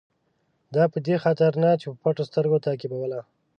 دا په دې خاطر نه چې په پټو سترګو تعقیبوله.